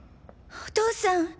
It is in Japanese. お父さん！